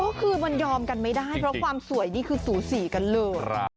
ก็คือมันยอมกันไม่ได้เพราะความสวยนี่คือสูสีกันเลย